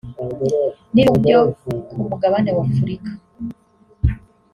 n’ibihugu byo ku mugabane w’Afurika